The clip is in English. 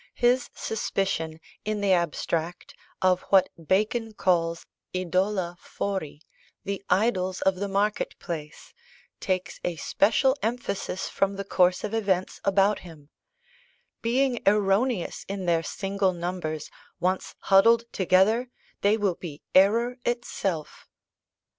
His suspicion, in the abstract, of what Bacon calls Idola Fori, the Idols of the Market place, takes a special emphasis from the course of events about him: "being erroneous in their single numbers, once huddled together, they will be error itself."